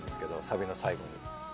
サビの最後に。